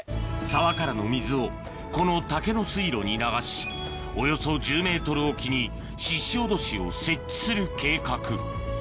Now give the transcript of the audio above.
沢からの水をこの竹の水路に流しおよそ１０ｍ置きにししおどしを設置する計画